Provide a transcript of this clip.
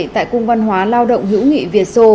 tại cung văn hóa lao động hữu nghị việt sô